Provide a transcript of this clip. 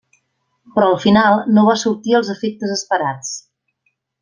Però al final no va assortir els efectes esperats.